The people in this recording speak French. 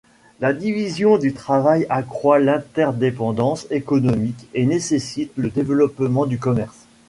La division du travail accroît l'interdépendance économique et nécessite le développement du commerce.